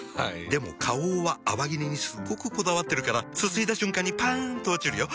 でも花王は泡切れにすっごくこだわってるからすすいだ瞬間にパン！と落ちるよ。